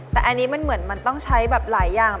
แต่อันนี้มันเหมือนมันต้องใช้แบบหลายอย่าง